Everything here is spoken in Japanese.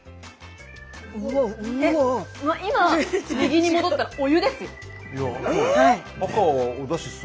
今右に戻ったらお湯ですよ。